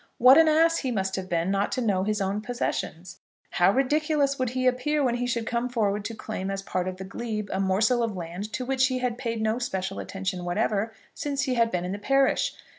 What an ass he must have been not to know his own possessions! How ridiculous would he appear when he should come forward to claim as a part of the glebe a morsel of land to which he had paid no special attention whatever since he had been in the parish!